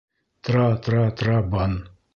Тра-тра-тра-бан.